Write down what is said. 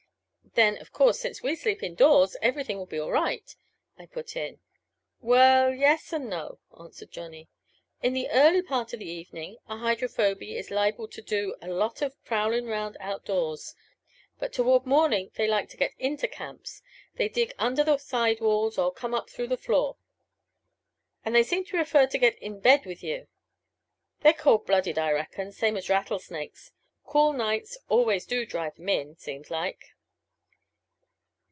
"Then, of course, since we sleep indoors everything will be all right," I put in. "Well, yes and no," answered Johnny. "In the early part of the evening a Hydrophoby is liable to do a lot of prowlin' round outdoors; but toward mornin' they like to get into camps they dig up under the side walls or come up through the floor and they seem to prefer to get in bed with you. They're cold blooded, I reckin, same as rattlesnakes. Cool nights always do drive 'em in, seems like."